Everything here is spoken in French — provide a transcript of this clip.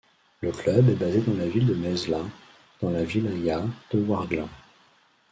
Le club est basé dans la ville de Nezla, dans la wilaya de Ouargla.